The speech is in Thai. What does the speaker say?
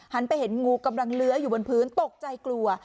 ไปเห็นงูกำลังเลื้อยอยู่บนพื้นตกใจกลัว